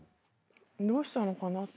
どうしたのかな？